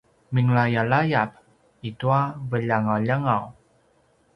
minglayalayap itua veljangaljangaw